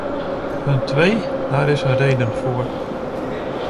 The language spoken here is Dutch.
Punt twee: daar is een reden voor.